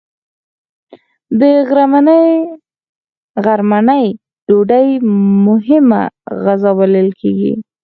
د غرمنۍ ډوډۍ مهمه غذا بلل کېږي